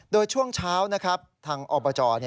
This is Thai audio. โดยช่วงเช้านะครับทางอบจ